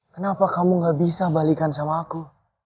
kenapa kamu gak bisa balikan sama aku